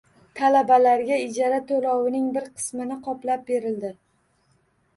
Talabalarga ijara to‘lovining bir qismini qoplab berildi.